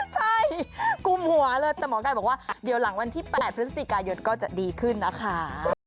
ใช่กลุ่มหัวเลยแต่หมอไก่บอกว่าเดี๋ยวหลังวันที่๘พฤศจิกายนก็จะดีขึ้นนะคะ